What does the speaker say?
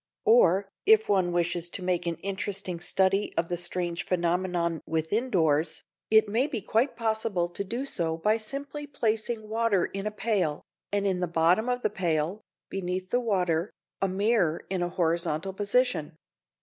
Or, if one wishes to make an interesting study of the strange phenomena within doors, it may be quite possible to do so by simply placing water in a pail, and in the bottom of the pail, beneath the water, a mirror in a horizontal position.